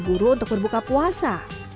guru untuk berbuka puasa